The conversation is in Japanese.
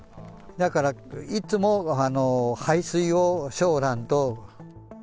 だから、いつも排水をしよらんと。